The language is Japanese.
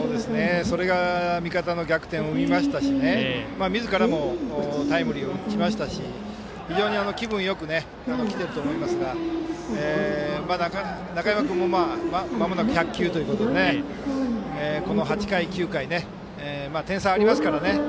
それが味方の逆転を生みましたし、みずからもタイムリーを打ちましたし非常に気分よくきていると思いますから中山君もまもなく１００球ということでこの８回、９回点差ありますからね。